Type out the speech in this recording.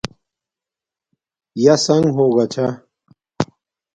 یݳ سَݣ ہݸگݳ چھݳ.